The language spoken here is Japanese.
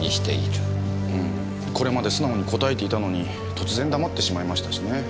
うーんこれまで素直に答えていたのに突然黙ってしまいましたしね。